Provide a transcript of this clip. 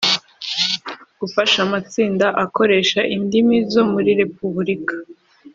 Gufasha amatsinda akoresha indimi zo muri repubulika